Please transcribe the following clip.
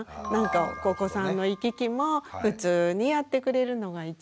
お子さんの行き来も普通にやってくれるのが一番。